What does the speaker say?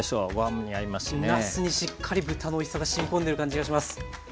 なすにしっかり豚のおいしさがしみ込んでる感じがします。